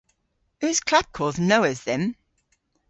Eus klapkodh nowydh dhymm?